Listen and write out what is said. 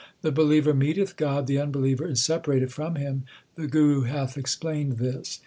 The believer meeteth God ; the unbeliever is separated from Him the Guru hath explained this.